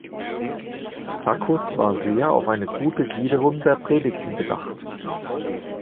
Saccus war sehr auf eine gute Gliederung der Predigten bedacht.